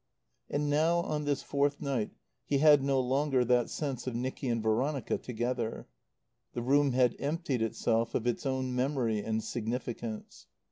And now, on this fourth night, he had no longer that sense of Nicky and Veronica together. The room had emptied itself of its own memory and significance.